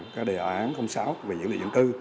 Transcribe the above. cái đề án sáu về dữ liệu dân cư